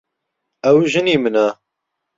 ئەو ژنی منە.